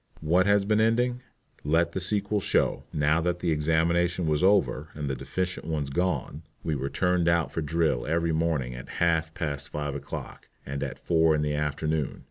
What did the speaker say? What has been the ending? Let the sequel show. Now that the examination was over and the deficient ones gone, we were turned out for drill every morning at half past five o'clock and at four in the afternoon.